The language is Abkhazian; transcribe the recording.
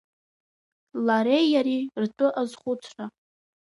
Лареи иареи ртәы азхәыцра.